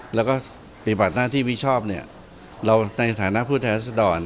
แล้วก็ปริมาตรหน้าที่วิชอบเนี่ยเราในฐานะพฤทธิรัสดร